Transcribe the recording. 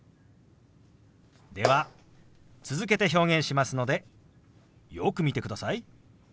では続けて表現しますのでよく見てください。